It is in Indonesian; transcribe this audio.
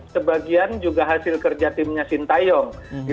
sebagian juga hasil kerja timnya sintayong